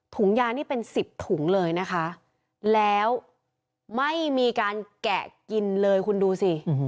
ถุงยานี่เป็นสิบถุงเลยนะคะแล้วไม่มีการแกะกินเลยคุณดูสิ